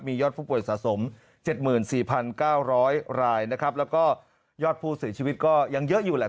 ยอดผู้ป่วยสะสม๗๔๙๐๐รายนะครับแล้วก็ยอดผู้เสียชีวิตก็ยังเยอะอยู่แหละ